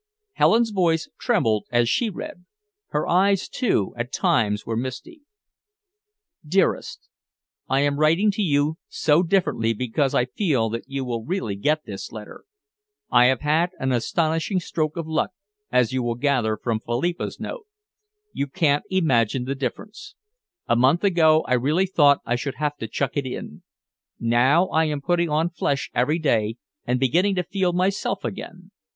Helen's voice trembled as she read. Her eyes, too, at times were misty: DEAREST, I am writing to you so differently because I feel that you will really get this letter. I have bad an astonishing stroke of luck, as you will gather from Philippa's note. You can't imagine the difference. A month ago I really thought I should have to chuck it in. Now I am putting on flesh every day and beginning to feel myself again.